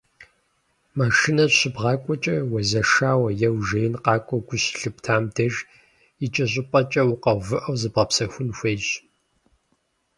Машинэ щыбгъакӏуэкӏэ, уезэшауэ е уи жеин къэкӏуауэ гу щылъыптам деж, икӏэщӏыпӏэкӏэ укъэувыӏэу, зыбгъэпсэхун хуейщ.